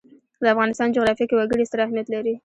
د افغانستان جغرافیه کې وګړي ستر اهمیت لري.